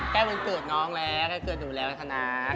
แก้วินเกิดน้องแล้วก็เกิดหนูแล้วครับหนาค